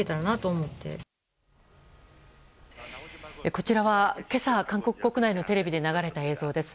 こちらは今朝、韓国国内のテレビで流れた映像です。